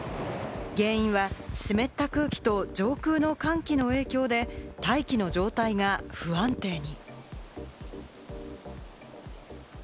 原因は湿った空気と上空の寒気の影響で、大気の状態が不安定に。